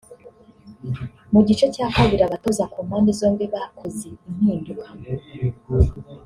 Mu gice cya kabiri abatoza ku mpande zombi bakoze impinduka